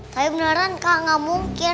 tapi beneran kak gak mungkin